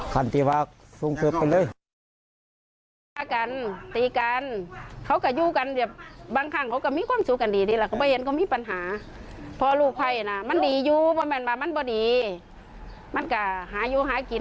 กันตีภาพสูงเกิดกันเลย